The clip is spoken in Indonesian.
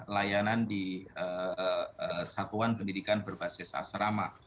layanan di satuan pendidikan berbasis asrama